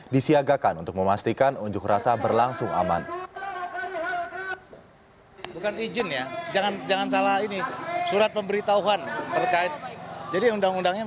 disiagakan untuk memastikan unjuk rasa berlangsung aman